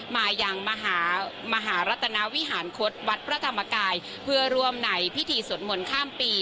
มายังมหามหารัตนาวิหารคตวัดพระธรรมกายเพื่อร่วมในพิธีสวดมนต์ข้ามปี